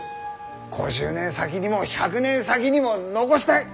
５０年先にも１００年先にも残したい！